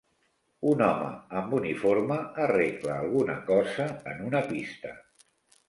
Un home amb uniforme arregla alguna cosa en una pista.